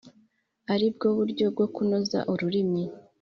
ari bwo buryo bwo kunoza ururimi,